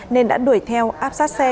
nên đã đuổi theo áp sát xe